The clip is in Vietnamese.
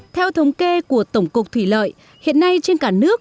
theo thống kê của tổng cục thủy lợi hiện nay trên cả nước